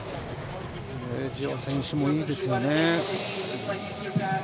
ジワ選手もいいですよね。